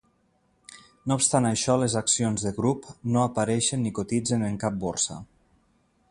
No obstant això, les accions de Grup no apareixen ni cotitzen en cap borsa.